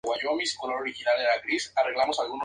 Es una de las spp.